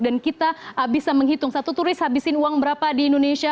dan kita bisa menghitung satu turis habisin uang berapa di indonesia